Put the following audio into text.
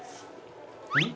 うん？